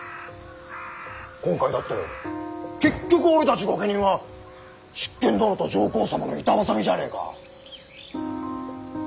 今回だって結局俺たち御家人は執権殿と上皇様の板挟みじゃねえか。